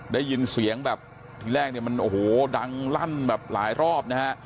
ได้ยินเสียงแบบทีแรกเนี่ยมันโอ้โหดังลั่นแบบหลายรอบนะฮะ